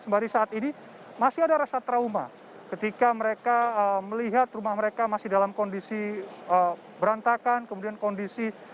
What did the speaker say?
sembari saat ini masih ada rasa trauma ketika mereka melihat rumah mereka masih dalam kondisi berantakan kemudian kondisi